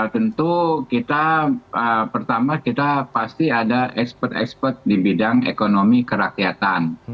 tentu kita pertama kita pasti ada ekspert expert di bidang ekonomi kerakyatan